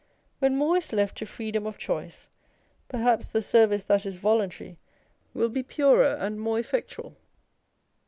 When more is left to freedom of choice, perhaps the service that is voluntary will be purer and more effectual.